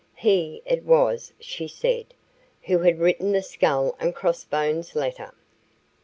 He, it was, she said, who had written the skull and cross bones letter.